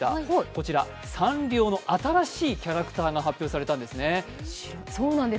こちら、サンリオの新しいキャラクターが発表されたんです。